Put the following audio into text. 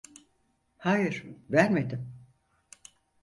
Hayır, vermedim.